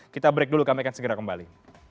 kita break dulu kami akan segera kembali